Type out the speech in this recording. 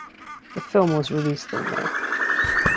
The film was released in May.